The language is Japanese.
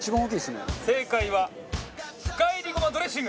正解は深煎りごまドレッシング！